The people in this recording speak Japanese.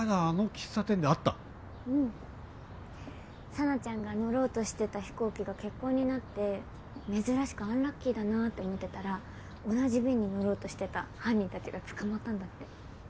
紗菜ちゃんが乗ろうとしてた飛行機が欠航になって珍しくアンラッキーだなって思ってたら同じ便に乗ろうとしてた犯人たちが捕まったんだって。